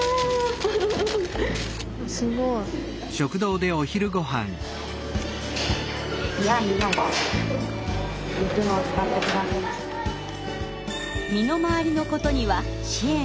すごい。身の回りのことには支援が必要。